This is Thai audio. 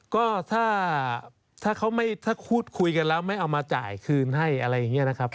ก็ถ้าเขาไม่ถ้าพูดคุยกันแล้วไม่เอามาจ่ายคืนให้อะไรอย่างนี้นะครับ